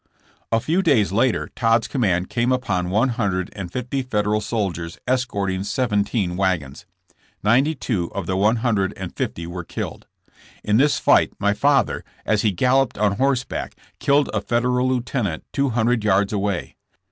A few days later Todd's command came upon one hundred and fifty Federal soldiers escorting seventeen wagons. Ninety two of the one hundred and fifty were killed. In this fight my father, as he galloped on horseback, killed a Federal lieutenant two hun dred yards away.